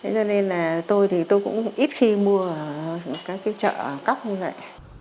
cho nên là tôi thì tôi cũng ít khi mua ở các cái chợ cóc như vậy